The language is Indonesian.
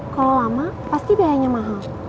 kalau lama pasti biayanya mahal